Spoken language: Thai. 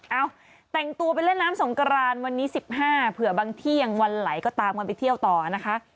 แต่งตัวไปเล่นน้ำสงกรานวันนี้๑๕เผื่อบางที่ยังวันไหลก็ตามกันไปเที่ยวต่อนะคะ